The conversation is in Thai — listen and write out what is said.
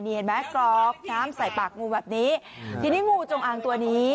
เห็นไหมกรอกน้ำใส่ปากงูแบบนี้ทีนี้งูจงอางตัวนี้